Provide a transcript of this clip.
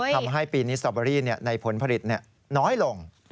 ทำให้ปีนี้สตอเบอรี่ในผลผลิตน้อยลง